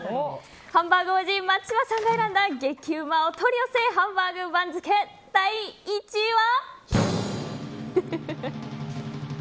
ハンバーグ王子松島さんが選んだ激うまお取り寄せハンバーグ番付第１位は。